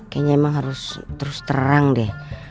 kayaknya emang harus terus terang deh